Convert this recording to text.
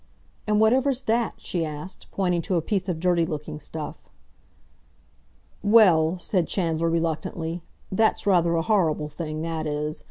"And whatever's that!" she asked, pointing to a piece of dirty looking stuff. "Well," said Chandler reluctantly, "that's rather a horrible thing—that is.